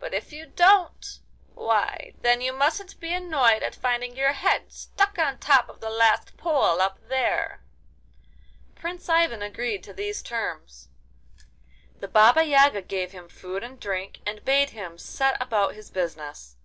But if you don't—why, then you mustn't be annoyed at finding your head stuck on top of the last pole up there.' Prince Ivan agreed to these terms. The Baba Yaga gave him food and drink, and bade him set about his business.